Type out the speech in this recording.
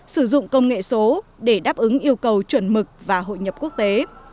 sử dụng công nghệ số để đáp ứng yêu cầu chuẩn mực và hội nhập quốc tế